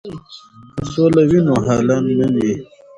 که سوله وي نو هاله نه وي.